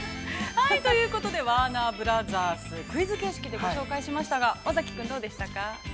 ◆ということで、ワーナーブラザース、クイズ形式でご紹介しましたが、尾崎君、どうでしたか。